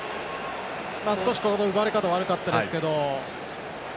少し奪われ方が悪かったですけど。